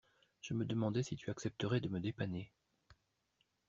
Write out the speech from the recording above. Je me demandais si tu accepterais de me dépanner.